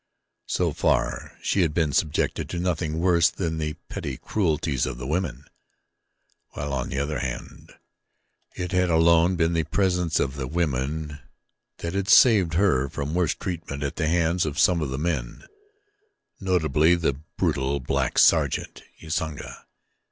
So far she had been subjected to nothing worse than the petty cruelties of the women, while, on the other hand, it had alone been the presence of the women that had saved her from worse treatment at the hands of some of the men notably the brutal, black sergeant, Usanga.